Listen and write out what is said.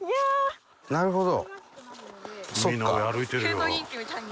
なるほど。